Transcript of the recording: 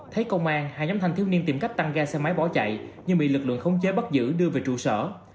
thấy công an hai nhóm thanh thiếu niên tìm cách tăng ga xe máy bỏ chạy nhưng bị lực lượng khống chế bắt giữ đưa về trụ sở